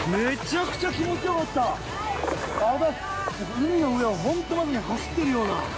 ◆海の上を本当に走っているような。